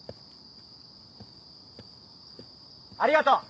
ありがとう！